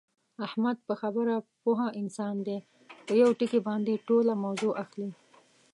احمد په خبره پوه انسان دی، په یوه ټکي باندې ټوله موضع اخلي.